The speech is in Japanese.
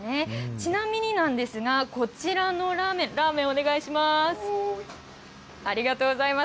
ちなみになんですが、こちらのラーメン、ラーメンお願いします。